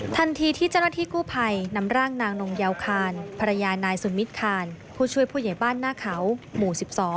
ทันทีที่เจ้าหน้าที่กู้ภัยนำร่างนางนงเยาวคานภรรยานายสุมิตรคานผู้ช่วยผู้ใหญ่บ้านหน้าเขาหมู่๑๒